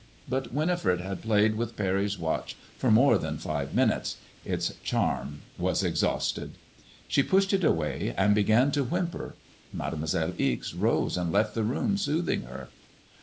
But Winifred had played with Parry's watch for more than five minutes; its charm was exhausted. She pushed it away, and began to whimper. Mademoiselle Ixe rose and left the room soothing her.